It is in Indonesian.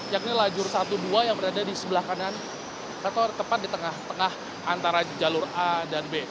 yakni lajur satu dua yang berada di sebelah kanan atau tepat di tengah tengah antara jalur a dan b